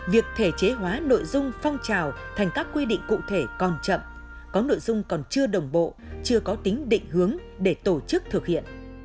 việc thể chế hóa nội dung phong trào thành các quy định cụ thể còn chậm có nội dung còn chưa đồng bộ chưa có tính định hướng để tổ chức thực hiện